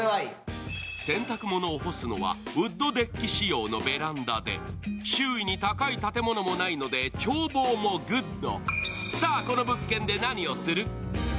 洗濯ものを干すのはウッドデッキ仕様のベランダで周囲に高い建物もないので眺望もグッド。